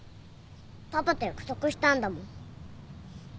パパと約束したんだもん。